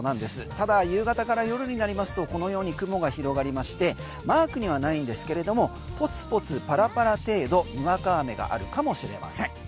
ただ、夕方から夜になりますとこのように雲が広がりましてマークにはないんですがポツポツ、パラパラ程度にわか雨があるかもしれません。